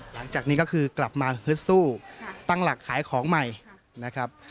หลังจากนี้ก็คือกลับมาฮึดสู้ตั้งหลักขายของใหม่นะครับ